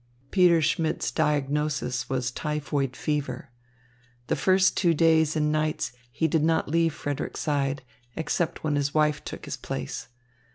Peter Schmidt's diagnosis was typhoid fever. The first two days and nights he did not leave Frederick's side, except when his wife took his place.